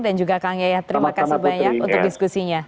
dan juga kang yaya terima kasih banyak untuk diskusinya